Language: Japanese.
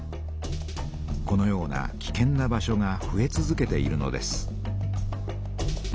このようなきけんな場所がふえ続けているのです。